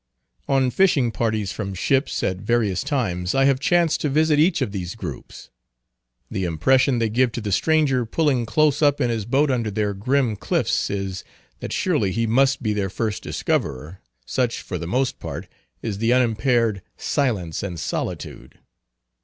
On fishing parties from ships, at various times, I have chanced to visit each of these groups. The impression they give to the stranger pulling close up in his boat under their grim cliffs is, that surely he must be their first discoverer, such, for the most part, is the unimpaired ... silence and solitude.